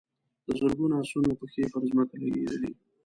د زرګونو آسونو پښې پر ځمکه لګېدلې.